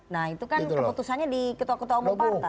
nah itu kan keputusannya di ketua ketua umum partai